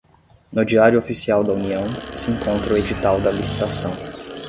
No diário oficial da União, se encontra o edital da licitação